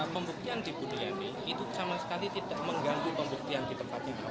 pembuktian di buniani itu sama sekali tidak mengganggu pembuktian di tempat ini